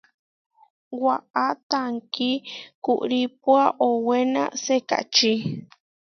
Waʼá tankí kuʼrípua owená sekačí.